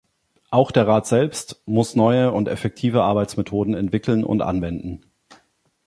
Auch der Rat selbst muss neue und effektive Arbeitsmethoden entwickeln und anwenden.